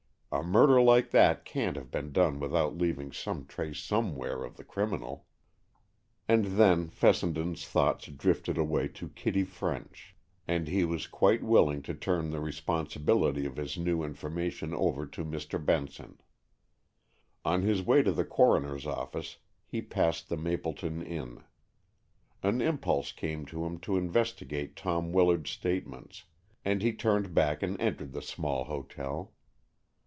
A murder like that can't have been done without leaving some trace somewhere of the criminal." And then Fessenden's thoughts drifted away to Kitty French, and he was quite willing to turn the responsibility of his new information over to Mr. Benson. On his way to the coroner's office he passed the Mapleton Inn. An impulse came to him to investigate Tom Willard's statements, and he turned back and entered the small hotel.